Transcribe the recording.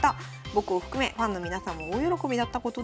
僕を含めファンの皆さんも大喜びだったことでしょう。